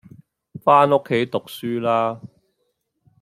返屋企讀書啦